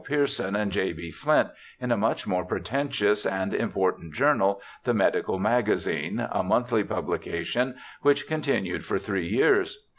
Pierson and J. B. Flint in a much more pretentious and im portant journal, the Medical Magazine, a monthly publi cation which continued for three years.